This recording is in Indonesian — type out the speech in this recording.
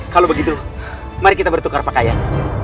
kalau begitu mari kita bertukar pakaian